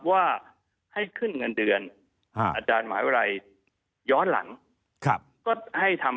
ว่าการก่อนศึกษา